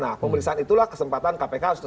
nah periksaan itulah kesempatan kpk